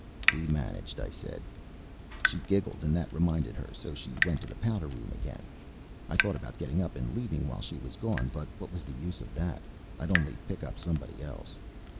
"We managed," I said. She giggled, and that reminded her, so she went to the powder room again. I thought about getting up and leaving while she was gone, but what was the use of that? I'd only pick up somebody else.